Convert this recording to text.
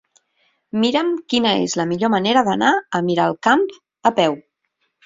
Mira'm quina és la millor manera d'anar a Miralcamp a peu.